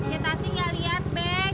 ya tati gak lihat bek